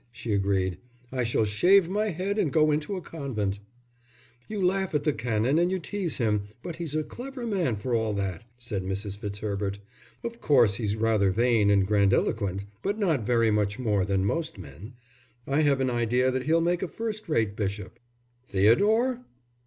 she agreed. "I shall shave my head and go into a convent." "You laugh at the Canon and you tease him, but he's a clever man for all that," said Mrs. Fitzherbert. "Of course he's rather vain and grandiloquent, but not very much more than most men. I have an idea that he'll make a first rate bishop." "Theodore?"